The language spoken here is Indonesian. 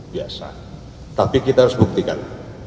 biasa tapi kita harus buktikan